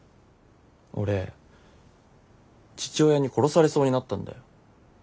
俺父親に殺されそうになったんだよ。